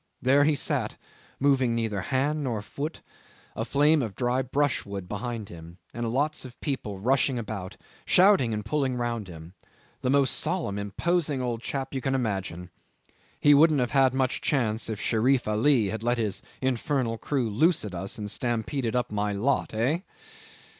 There he sat, moving neither hand nor foot, a flame of dry brushwood behind him, and lots of people rushing about, shouting and pulling round him the most solemn, imposing old chap you can imagine. He wouldn't have had much chance if Sherif Ali had let his infernal crew loose at us and stampeded my lot. Eh?